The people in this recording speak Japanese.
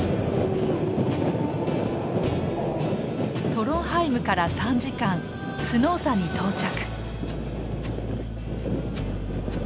トロンハイムから３時間スノーサに到着。